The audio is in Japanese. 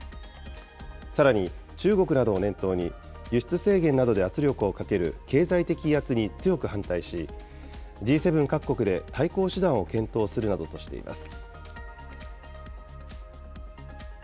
さらに中国などを念頭に、輸出制限などで圧力をかける経済的威圧に強く反対し、Ｇ７各国で対抗手段を検討するなどとしています。